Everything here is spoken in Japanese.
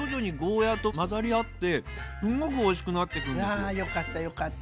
けどあよかったよかった。